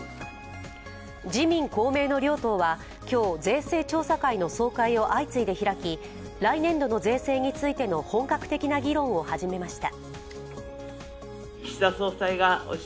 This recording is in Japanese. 自民・公明の両党は今日、税制調査会の総会を相次いで開き来年度の税制についての本格的な議論を始めました。